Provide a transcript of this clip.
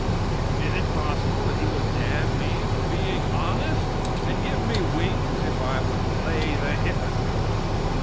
Is it possible that He would damn me for being honest, and give me wings if I would play the hypocrite?